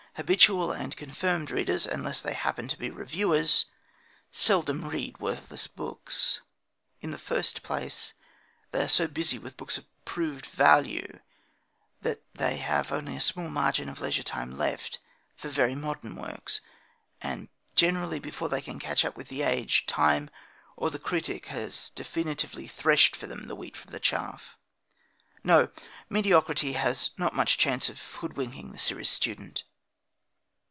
Habitual and confirmed readers, unless they happen to be reviewers, seldom read worthless books. In the first place, they are so busy with books of proved value that they have only a small margin of leisure left for very modern works, and generally, before they can catch up with the age, Time or the critic has definitely threshed for them the wheat from the chaff. No! Mediocrity has not much chance of hood winking the serious student.